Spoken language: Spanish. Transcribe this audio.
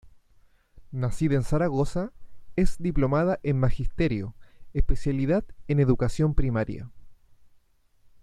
Nacida en Zaragoza, es diplomada en Magisterio, especialidad en Educación Primaria.